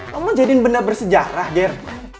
kamu mau jadiin benda bersejarah german